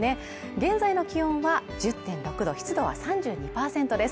現在の気温は１０．６度湿度は３２％です